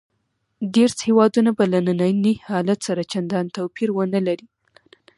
دېرش هېوادونه به له ننني حالت سره چندان توپیر ونه لري.